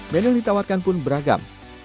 menu ditawarkan pun beragam